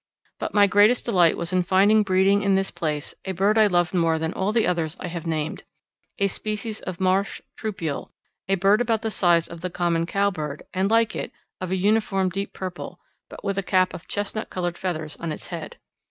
But my greatest delight was in finding breeding in this place a bird I loved more than all the others I have named a species of marsh trupial, a bird about the size of the common cowbird, and like it, of a uniform deep purple, but with a cap of chestnut coloured feathers on its head.